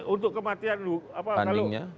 untuk kematian dulu